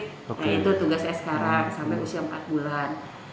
nah itu tugas saya sekarang sampai usia empat bulan